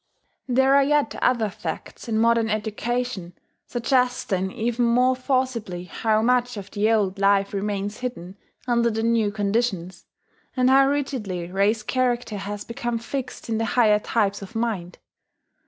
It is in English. There are yet other facts in modern education suggesting even more forcibly how much of the old life remains hidden under the new conditions, and how rigidly race character has become fixed in the higher types of mind.